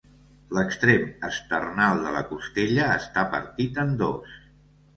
L'extrem esternal de la costella està partit en dos.